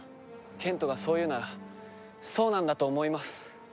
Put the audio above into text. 賢人がそう言うならそうなんだと思います。